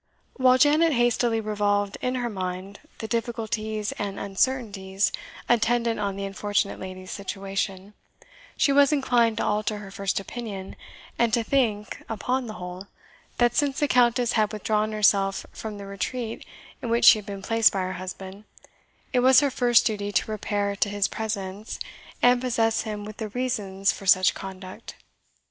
While Janet hastily revolved in her mind the difficulties and uncertainties attendant on the unfortunate lady's situation, she was inclined to alter her first opinion, and to think, upon the whole, that since the Countess had withdrawn herself from the retreat in which she had been placed by her husband, it was her first duty to repair to his presence, and possess him with the reasons for such conduct.